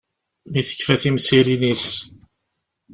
Mi tekfa timsirin-is.